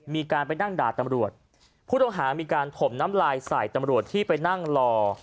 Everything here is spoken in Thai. มีการไปนั่งด่าตำรวจผู้ต้องหามีการถมน้ำลายใส่ตำรวจที่ไปนั่งรอ